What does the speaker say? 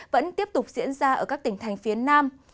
vẫn tiếp tục diễn ra ở các tỉnh thành phía nam